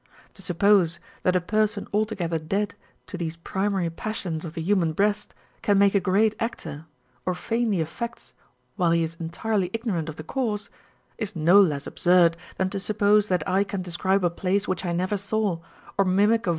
To suppose that a person altogether dead to these primary passions of the human breast can make a great actor, or feign the effects while he is entirely ignorant of the cause, is no less absurd than to suppose that I can describe a place which I never saw, or mimic a.